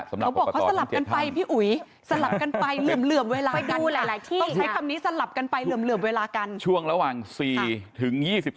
เขาบอกเขาสลับกันไปพี่อุย